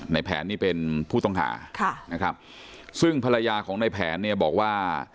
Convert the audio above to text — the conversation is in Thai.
ในแผนนี่เป็นผู้ต้องหาค่ะนะครับซึ่งภรรยาของในแผนเนี่ยบอกว่า